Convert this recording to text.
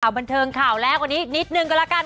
ข่าวบันเทิงข่าวแลกวันนี้นิดนึงก็แล้วกัน